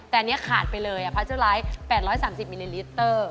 แต่อันนี้ขาดไปเลยพาเจอร์ไลท์๘๓๐มิลลิลิสเตอร์